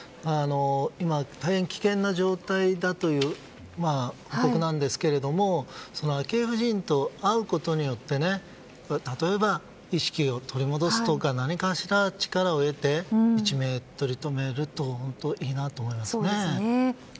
今、大変危険な状態だという報告なんですが昭恵夫人と会うことによって例えば、意識を取り戻すとか何かしら力を得て一命を取り留めるといいなと思いますね。